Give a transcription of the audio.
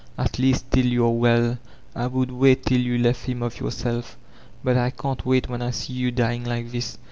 At least till you are welL I would wait till you left him of yourself, but I can't wait when I you dying like this.